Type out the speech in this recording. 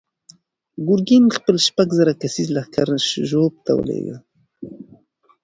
ګورګین خپل شپږ زره کسیز لښکر ژوب ته ولېږه.